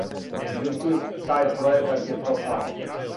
Међутим, тај пројекат је пропао.